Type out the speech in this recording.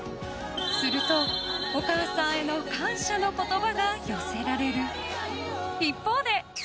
すると、お母さんへの感謝の言葉が寄せられる一方で。